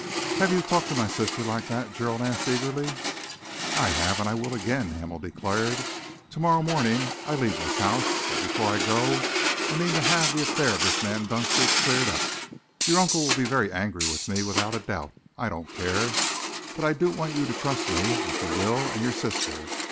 "Have you talked to my sister like that?" Gerald asked eagerly. "I have and I will again," Hamel declared. "To morrow morning I leave this house, but before I go I mean to have the affair of this man Dunster cleared up. Your uncle will be very angry with me, without a doubt. I don't care. But I do want you to trust me, if you will, and your sister.